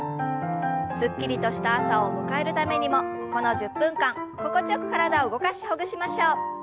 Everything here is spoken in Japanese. すっきりとした朝を迎えるためにもこの１０分間心地よく体を動かしほぐしましょう。